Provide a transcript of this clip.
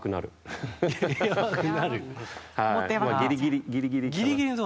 もうギリギリ、ギリギリ。